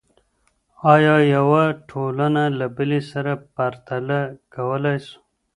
آیا یوه ټولنه له بلې سره پرتله کولی سو؟